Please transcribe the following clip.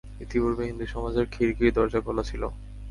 ইতিপূর্বে হিন্দুসমাজের খিড়কির দরজা খোলা ছিল।